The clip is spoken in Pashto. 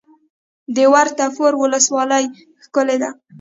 د وټه پور ولسوالۍ ښکلې ده